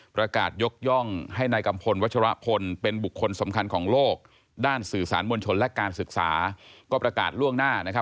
ประกาศยกย่องให้นายกัมพลวัชรพลเป็นบุคคลสำคัญของโลกด้านสื่อสารมวลชนและการศึกษาก็ประกาศล่วงหน้านะครับ